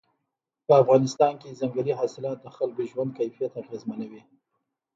په افغانستان کې ځنګلي حاصلات د خلکو ژوند کیفیت اغېزمنوي.